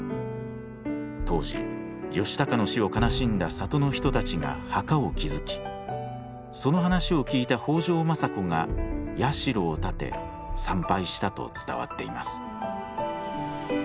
当時義高の死を悲しんだ郷の人たちが墓を築きその話を聞いた北条政子が社を建て参拝したと伝わっています。